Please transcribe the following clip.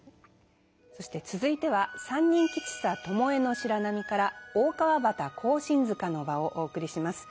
そして続いては「三人吉三巴白浪」から「大川端庚申塚の場」をお送りします。